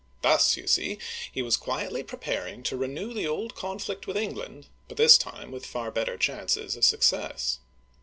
Thus, you see, he was quietly preparing to renew the old conflict with England, but this time with far better chances of success.